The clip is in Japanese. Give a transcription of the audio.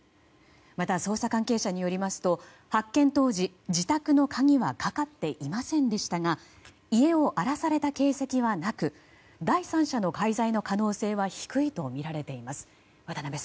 また、捜査関係者によりますと発見当時自宅の鍵はかかっていませんでしたが家を荒らされた形跡はなく第三者の介在の可能性は低いとみられています。